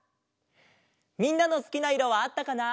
みんなのすきないろはあったかな？